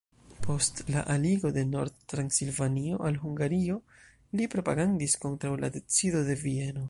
Post la aligo de Nord-Transilvanio al Hungario, li propagandis kontraŭ la decido de Vieno.